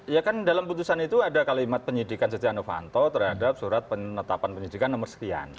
ya kan dalam putusan itu ada kalimat penyidikan setia novanto terhadap surat penetapan penyidikan nomor sekian